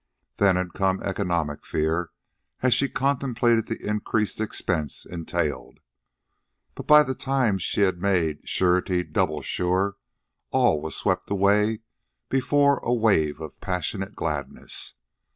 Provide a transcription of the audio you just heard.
Then had come economic fear, as she contemplated the increased expense entailed. But by the time she had made surety doubly sure, all was swept away before a wave of passionate gladness.